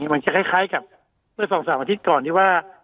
มันจะคล้ายกับเมื่อ๒๓อาทิตย์ก่อนที่ว่า